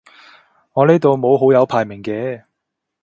我呢度冇好友排名嘅